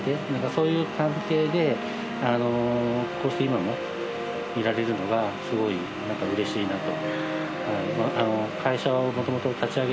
そういう関係でこうして今もいられるのがすごくうれしいなと。